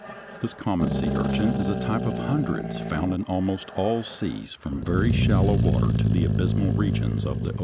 This common sea urchin is a type of hundreds found in almost all seas from very shallow water to the abysmal regions of the ocean.